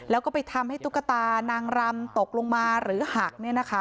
แล้วก็ไปทำให้ตุ๊กตานางรำตกลงมาหรือหัก